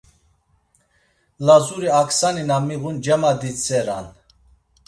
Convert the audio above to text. Lazuri aksani na miğun, cemaditseran.